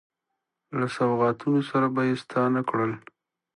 له سوغاتونو سره به یې ستانه کړل.